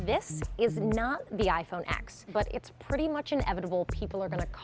ini bukan iphone x tapi tidak mungkin orang akan menyebutnya itu